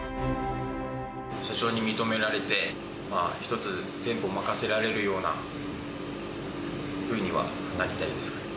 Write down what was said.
社長に認められて、１つ店舗任せられるようなふうにはなりたいです。